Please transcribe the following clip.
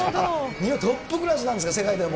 日本はトップクラスなんですか、世界でも。